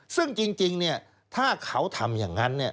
ซึ่งจริงเนี่ยถ้าเขาทำอย่างนั้น